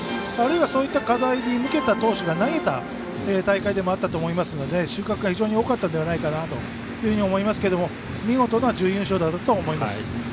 あるいはそういった課題に向けた投手が投げた大会であったと思いますので収穫が非常に多かったのではないかと思いますけど見事な準優勝だったと思います。